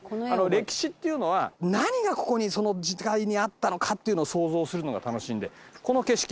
歴史っていうのは何がここにその時代にあったのかっていうのを想像するのが楽しいんでこの景色